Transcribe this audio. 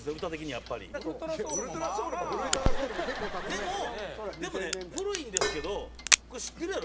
でもでもね古いんですけどこれ知ってるやろ？